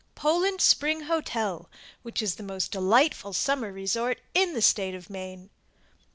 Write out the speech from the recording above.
Poland Spring Hotel, which is the most delightful summer resort in the State of Maine.